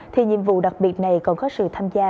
thì nhiệm vụ đặc biệt này còn có sự tham gia